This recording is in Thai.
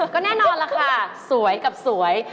ก็แน่นอนล่ะค่ะสวยกับสวย